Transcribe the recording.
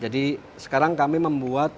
jadi sekarang kami membuat